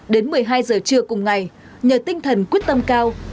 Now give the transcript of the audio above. đến một mươi hai giờ trưa cùng ngày nhờ tinh thần quyết tâm cao